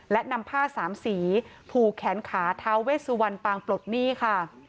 และนำผ้าสามสีผูกแขนขาท้าเวสวันปางปลดหนี้ค่ะ